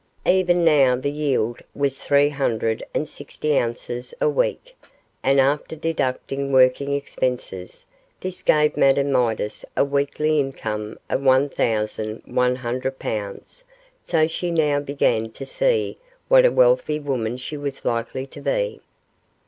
Even now the yield was three hundred and sixty ounces a week, and after deducting working expenses, this gave Madame Midas a weekly income of one thousand one hundred pounds, so she now began to see what a wealthy woman she was likely to be.